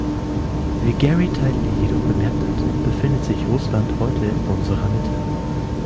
Wie Gary Titley jedoch bemerkt hat, befindet sich Russland heute in unserer Mitte.